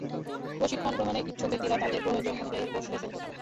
প্রশিক্ষণ গ্রহণে ইচ্ছুক ব্যক্তিরা তাঁদের প্রয়োজন অনুযায়ী কোর্স বেছে নিতে পারেন।